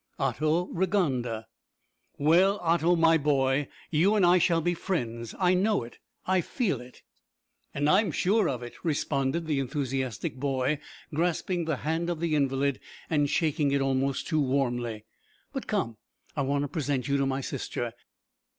"Otto Rigonda." "Well, Otto, my boy, you and I shall be friends; I know it I feel it." "And I'm sure of it," responded the enthusiastic boy, grasping the hand of the invalid, and shaking it almost too warmly. "But come, I want to present you to my sister.